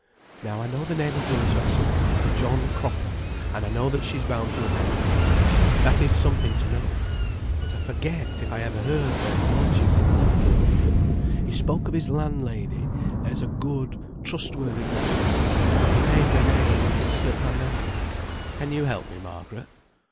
"Now I know the name of Will's vessel the John Cropper; and I know that she is bound to America. That is something to know. But I forget, if I ever heard, where he lodges in Liverpool. He spoke of his landlady, as a good, trustworthy woman; but if he named her name, it has slipped my memory. Can you help me, Margaret?"